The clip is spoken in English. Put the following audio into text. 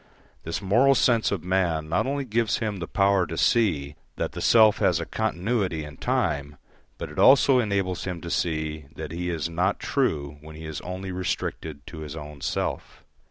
This moral sense of man not only gives him the power to see that the self has a continuity in time, but it also enables him to see that he is not true when he is only restricted to his own self.